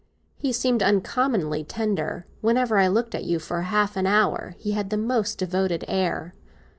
"He seemed uncommonly tender. Whenever I looked at you, for half an hour, he had the most devoted air."